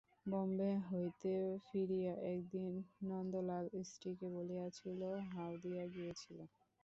বোম্বে হইতে ফিরিয়া একদিন নন্দলাল স্ত্রীকে বলিয়াছিল, হাওদিয়া গিয়েছিলে?